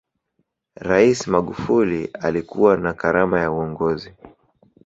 rai magufuli alikuwa na karama ya uongozi